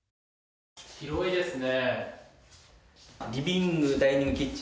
広いですね。